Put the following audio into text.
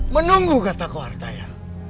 menunggu kata kuartaya